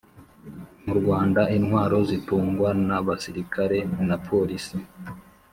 mu Rwanda intwaro zitugwa na basirikare na polisi